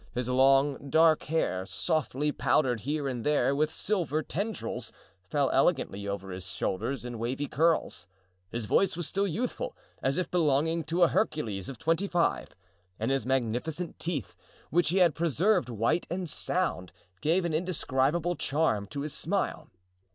His long, dark hair, softly powdered here and there with silver tendrils, fell elegantly over his shoulders in wavy curls; his voice was still youthful, as if belonging to a Hercules of twenty five, and his magnificent teeth, which he had preserved white and sound, gave an indescribable charm to his smile.